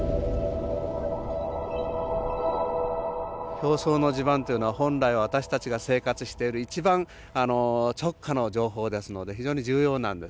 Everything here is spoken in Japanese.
表層の地盤というのは本来私たちが生活している一番直下の情報ですので非常に重要なんです。